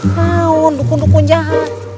tahu dukun dukun jahat